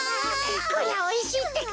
こりゃおいしいってか。